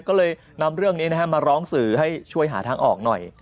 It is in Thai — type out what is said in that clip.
ก็เลยนำเรื่องนี้มาร้องสื่อให้ช่วยหาทางออกหน่อย